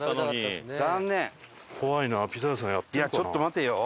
いやちょっと待てよ。